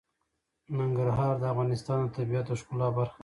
ننګرهار د افغانستان د طبیعت د ښکلا برخه ده.